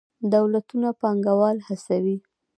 دولتونه پانګوال هڅوي.